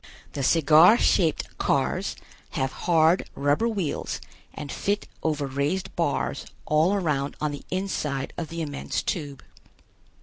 The cigar shaped cars have hard rubber wheels and fit over raised bars all around on the inside of the immense Tube.